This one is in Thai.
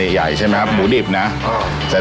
ไอ้ความถ้วงหมูกรอบของเราเนี้ย